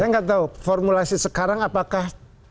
saya nggak tahu formulasi sekarang apakah